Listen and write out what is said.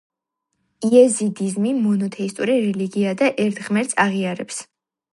იეზიდიზმი მონოთეისტური რელიგიაა და ერთ ღმერთს აღიარებს.